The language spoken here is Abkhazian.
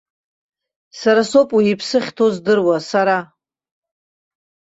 Сара соуп уи иԥсы ахьҭоу здыруа, сара.